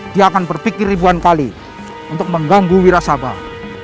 dia akan berpikir ribuan kali untuk mengganggu wira sabah